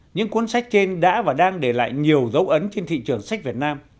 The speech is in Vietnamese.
những cuốn sách trên đã và đang để lại nhiều dấu ấn trên thị trường sách việt nam